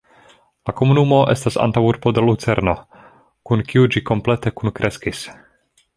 La komunumo estas antaŭurbo de Lucerno, kun kiu ĝi komplete kunkreskis.